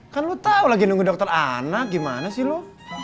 kan lo tau lagi nunggu dokter anak gimana sih lo